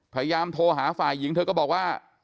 พยายามโทรหาฝ่ายหญิงเธอก็บอกว่า